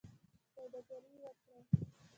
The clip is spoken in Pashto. سوداګري وکړئ